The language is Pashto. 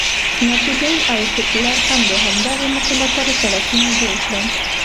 ناپلیون او هیټلر هم د همدغې موخې لپاره سړکونه جوړ کړل.